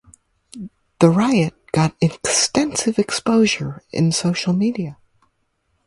The riot got extensive exposure in social media.